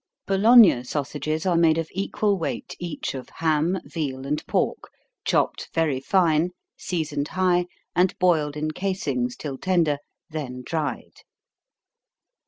Bologna sausages are made of equal weight each, of ham, veal, and pork, chopped very fine, seasoned high, and boiled in casings, till tender, then dried.